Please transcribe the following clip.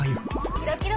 キラキラ！